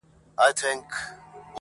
شمع چي لمبه نه سي رڼا نه وي!!